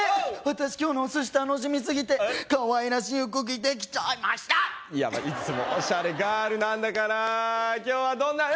私今日のお寿司楽しみすぎてかわいらしい服着てきちゃいましたいやいつもオシャレガールなんだから今日はどんな服？